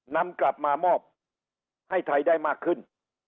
นำกลับมามอบให้ไทยได้มากขึ้น